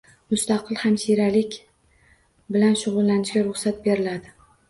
Mustaqil hamshiralik bilan shug‘ullanishga ruxsat beriladi